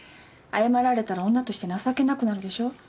謝られたら女として情けなくなるでしょ。